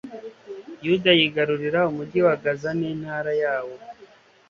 yuda yigarurira umugi wa gaza n'intara yawo